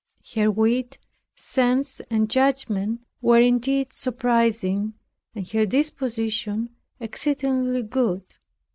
Her wit, sense and judgment, were indeed surprising, and her disposition exceedingly good.